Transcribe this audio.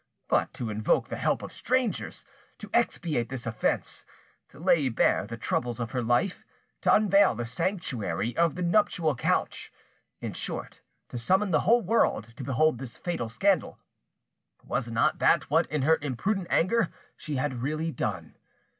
But to invoke the help, of strangers to expiate this offence; to lay bare the troubles of her life, to unveil the sanctuary of the nuptial couch—in short, to summon the whole world to behold this fatal scandal, was not that what in her imprudent anger she had really done?